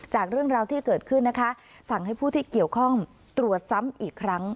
จากเรื่องราวที่เกิดขึ้นนะคะสั่งให้ผู้ที่เกี่ยวข้องตรวจซ้ำอีกครั้ง